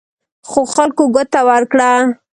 خو خلکو ګوته ورکړه.